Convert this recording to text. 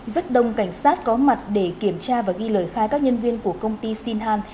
rất đông cảnh sát có mặt để kiểm tra và ghi lời khai các nhân viên của công ty sinh han